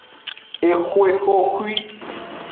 Exwe xoxwi.